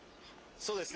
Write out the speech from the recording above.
そうですね。